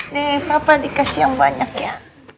nih papa dikasih yang banyak ya